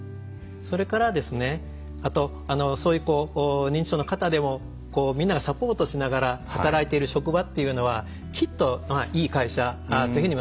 それからですねそういう認知症の方でもみんながサポートしながら働いてる職場っていうのはきっといい会社だというふうに皆さんも思うと思うんですよ。